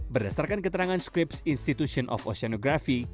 berdasarkan keterangan scrips institution of oceanography